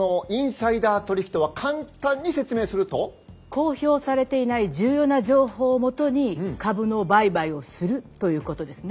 公表されていない重要な情報をもとに株の売買をするということですね。